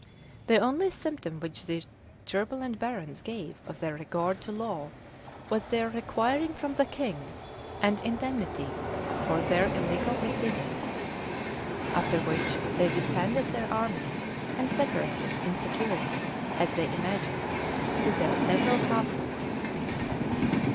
The only symptom which these turbulent barons gave of their regard to law, was their requiring from the king an indemnity for their illegal proceedings;[] after which they disbanded their army, and separated, in security, as they imagined, to their several castles.